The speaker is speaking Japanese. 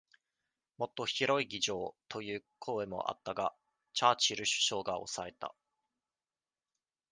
もっと広い議場をという声もあったが、チャーチル首相が抑えた。